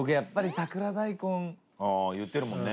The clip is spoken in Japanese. タカ：あ、言ってるもんね。